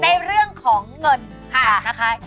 ในเรื่องของเงินนะคะ